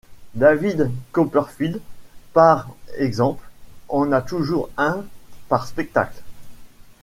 David Copperfield par exemple, en a toujours un par spectacle.